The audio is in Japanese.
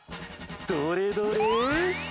どれどれ？